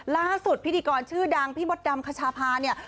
พิธีกรชื่อดังพี่มดดำคชาพาเนี่ย